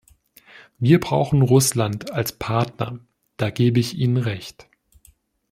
Wir brauchen Russland als Partner, da gebe ich Ihnen recht.